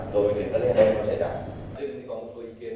rồi thì cái lệnh này nó sẽ đảm